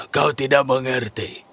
kau tidak mengerti